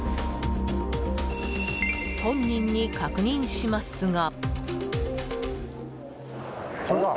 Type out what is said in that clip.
本人に確認しますが。